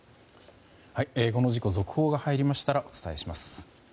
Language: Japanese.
この事故、続報が入りましたらお伝えします。